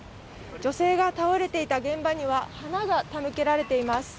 女性が倒れていた現場には花形向けられています。